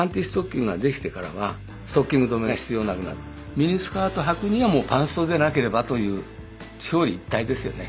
ミニスカートはくにはもうパンストでなければという表裏一体ですよね。